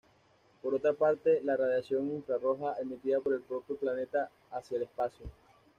Por otra parte, la radiación infrarroja, emitida por el propio planeta hacia el espacio.